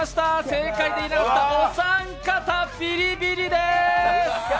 正解できなかったお三方、ビリビリです。